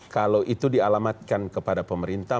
kalau itu dialamatkan kepada pemerintah